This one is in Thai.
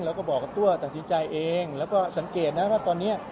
เราก็บอกกับตัวตัดสินใจเองแล้วก็สังเกตนะว่าตอนนี้